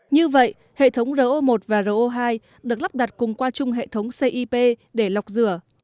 như vậy hệ thống ro một và ro hai được lắp đặt cùng qua chung hệ thống cip để lọc rửa